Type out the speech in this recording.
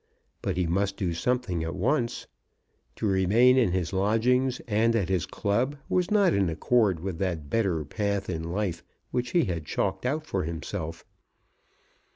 But he must do something at once. To remain in his lodgings and at his club was not in accord with that better path in life which he had chalked out for himself.